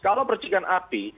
kalau percikan api